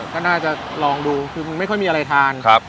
ก็น่าจะลองดูคือไม่ค่อยมีอะไรทาน